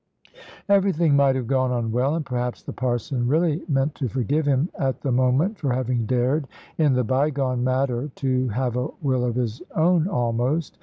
Everything might have gone on well, and perhaps the Parson really meant to forgive him at the moment for having dared, in the bygone matter, to have a will of his own almost.